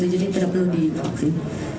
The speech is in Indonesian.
jadi tidak perlu divaksin